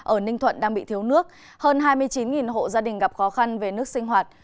ở ninh thuận đang bị thiếu nước hơn hai mươi chín hộ gia đình gặp khó khăn về nước sinh hoạt